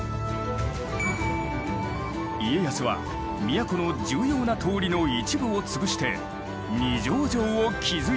家康は都の重要な通りの一部を潰して二条城を築いたのだ。